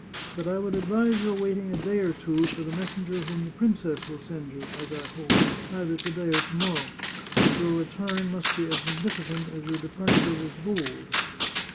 But I would advise your waiting a day or two for the messenger whom the princess will send you, as I hope, either to day or to morrow. Your return must be as magnificent as your departure was bold.